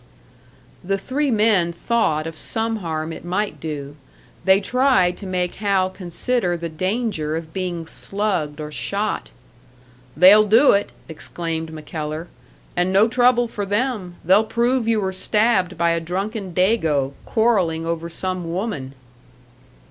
The three men thought of some harm it might do; they tried to make Hal consider the danger of being slugged Or shot. "They'll do it!" exclaimed MacKellar. "And no trouble for them they'll prove you were stabbed by a drunken Dago, quarrelling over some woman."